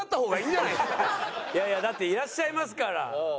いやいやだっていらっしゃいますから。